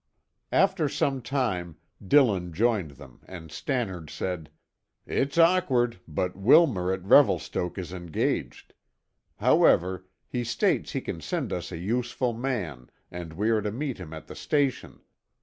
After some time Dillon joined them and Stannard said, "It's awkward, but Willmer at Revelstoke is engaged. However, he states he can send us a useful man and we are to meet him at the station.